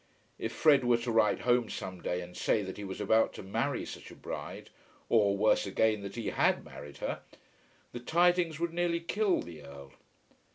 If Fred were to write home some day and say that he was about to marry such a bride, or, worse again, that he had married her, the tidings would nearly kill the Earl.